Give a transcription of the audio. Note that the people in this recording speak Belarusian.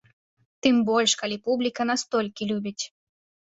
Тым больш, калі публіка настолькі любіць.